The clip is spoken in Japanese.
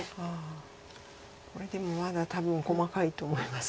これでもまだ多分細かいと思います。